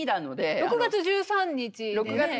６月１３日でね。